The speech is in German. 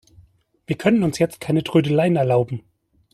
Wir können uns jetzt keine Trödeleien erlauben.